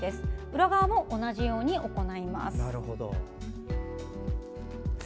裏側も、同じように行います。